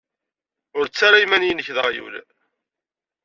Ur ttarra iman-nnek d aɣyul.